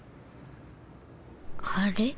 あれ？